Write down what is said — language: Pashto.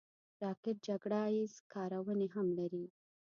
راکټ جګړه ییز کارونې هم لري